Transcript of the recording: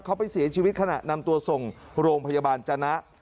เขาไปเสียชีวิตขณะนำตัวส่งโรงพยาบาลจนะ